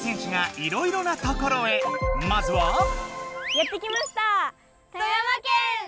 やって来ました！